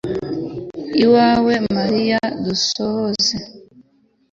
iwawe, mariya dusohoze